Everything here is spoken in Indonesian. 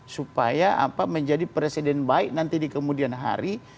supaya menjadi presiden baik nanti di kemudian hari